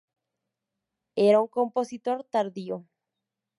Era un compositor tardío.